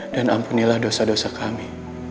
dan ampunilah dosa dosa kami